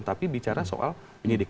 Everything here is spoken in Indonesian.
tapi bicara soal penyidik